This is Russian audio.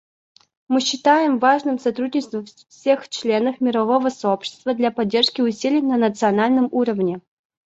Мы считаем важным сотрудничество всех членов мирового сообщества для поддержки усилий на национальном уровне.